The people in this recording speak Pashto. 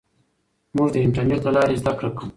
موږ د انټرنېټ له لارې زده کړه کوو.